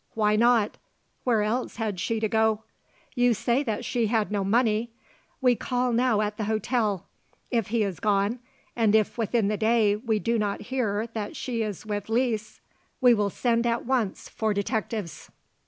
Why not? Where else had she to go? You say that she had no money. We call now at the hotel. If he is gone, and if within the day we do not hear that she is with Lise, we will send at once for detectives."